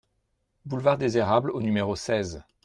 Boulevard des Érables au numéro seize